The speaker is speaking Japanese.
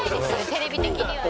テレビ的にはね」